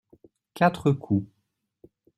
Quatre coups.